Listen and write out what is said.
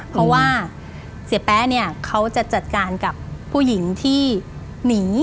เพราะว่าเสียแป๊ะเนี่ยเขาจะจัดการกับผู้หญิงที่หนี